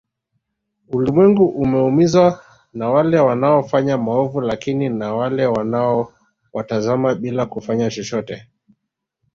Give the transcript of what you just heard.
Ulimwengu umeumizwa na wale wanaofanya maovu lakini na wale wanaowatazama bila kufanya chochote